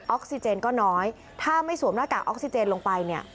ออกซิเจนก็น้อยถ้าไม่สวมหน้ากากออกซิเจนลงไปเนี่ย